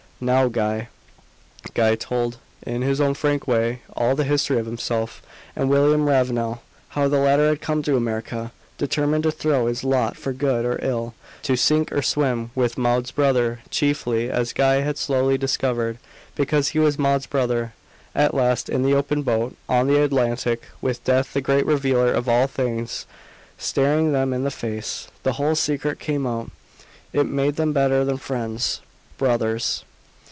"Now Guy." Guy told, in his own frank way, all the history of himself and William Ravenel; how the latter had come to America, determined to throw his lot for good or ill, to sink or swim, with Maud's brother chiefly, as Guy had slowly discovered, because he was Maud's brother. At last in the open boat, on the Atlantic, with death the great revealer of all things staring them in the face the whole secret came out. It made them better than friends brothers.